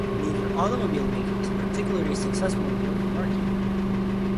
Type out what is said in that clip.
Neither automobile maker was particularly successful on the open market.